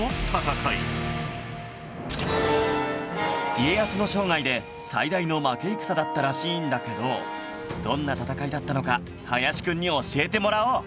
家康の生涯で最大の負け戦だったらしいんだけどどんな戦いだったのか林くんに教えてもらおう